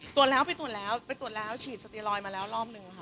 ตรวจแล้วไปตรวจแล้วไปตรวจแล้วฉีดสเตียลอยมาแล้วรอบนึงค่ะ